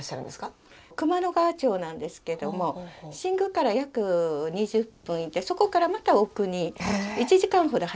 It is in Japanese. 熊野川町なんですけども新宮から約２０分行ってそこからまた奥に１時間ほど入るんです。